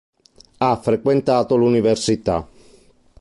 Ha frequentato l'università.